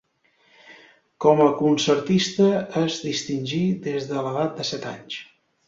Com a concertista es distingí des de l'edat de set anys.